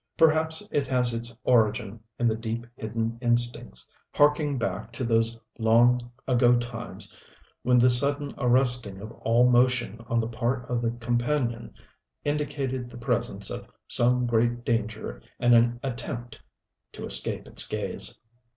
Perhaps it has its origin in the deep hidden instincts, harking back to those long ago times when the sudden arresting of all motion on the part of the companion indicated the presence of some great danger and an attempt to escape its gaze.